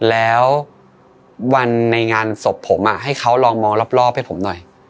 แล้ววันในงานศพผมให้เขาลองมองรอบให้ผมหน่อย